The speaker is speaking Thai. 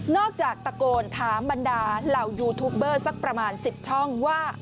นอกจากตะโกนถามบรรดาเหล่ายูทูปสักประมาณสิบช่องว่า